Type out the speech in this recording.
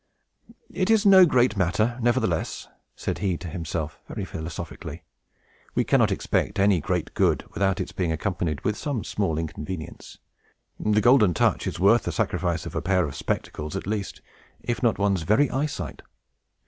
"It is no great matter, nevertheless," said he to himself, very philosophically. "We cannot expect any great good, without its being accompanied with some small inconvenience. The Golden Touch is worth the sacrifice of a pair of spectacles, at least, if not of one's very eyesight.